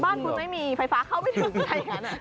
บ้านคุณไม่มีไฟฟ้าเข้าไม่ถึง